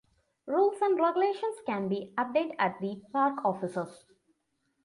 Rules and regulations can be obtained at the park offices.